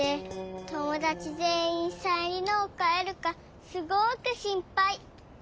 ともだちぜんいんサイン入りのをかえるかすごくしんぱい。